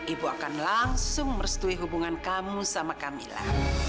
ibu akan langsung merestui hubungan kamu sama kamilah